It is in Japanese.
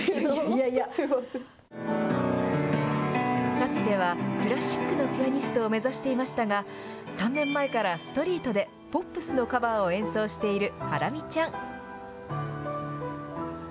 かつてはクラシックのピアニストを目指していましたが、３年前からストリートでポップスのカバーを演奏しているハラミちゃん。